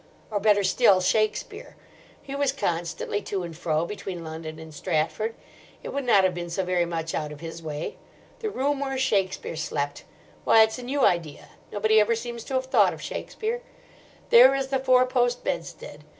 Or, better still, Shakespeare. He was constantly to and fro between London and Stratford. It would not have been so very much out of his way. 'The room where Shakespeare slept!' Why, it's a new idea. Nobody ever seems to have thought of Shakespeare. There is the four post bedstead.